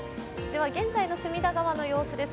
現在の隅田川の様子です。